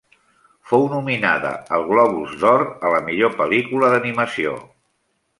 Fou nominada al Globus d'Or a la millor pel·lícula d'animació.